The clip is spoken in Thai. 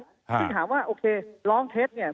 ซึ่งถามว่าโอเคร้องเท็จเนี่ย